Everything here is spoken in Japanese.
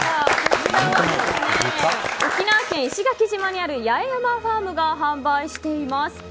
沖縄県石垣島にあるやえやまファームが販売しています。